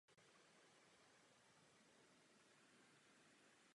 Škola sídlí v jedné budově.